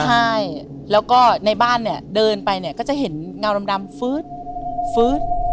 ใช่แล้วก็ในบ้านเดินไปเนี่ยก็จะเห็นเงาดำเฟืส